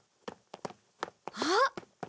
あっ！